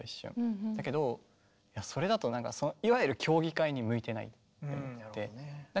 だけどそれだといわゆる競技会に向いてないと思って。